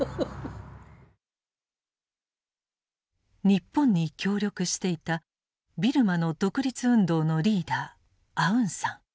日本に協力していたビルマの独立運動のリーダーアウンサン